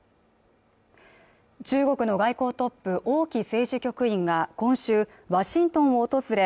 中国の外交トップ王毅政治局員が今週ワシントンを訪れ